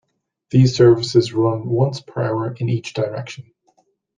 These services run once per hour in each direction.